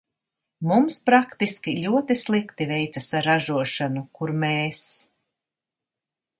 Mums praktiski ļoti slikti veicas ar ražošanu, kur mēs.